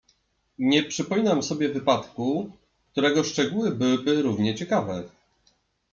"Nie przypominam sobie wypadku, którego szczegóły byłyby równie ciekawe."